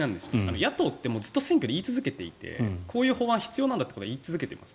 野党ってずっと選挙で言い続けていてこういう法案が必要なんだということは言い続けています。